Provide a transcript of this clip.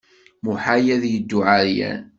Muḥal ad yeddu ɛeryan.